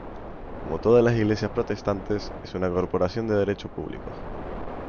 Como todas las iglesias protestantes, es una Corporación de Derecho público.